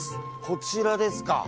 こちらですか。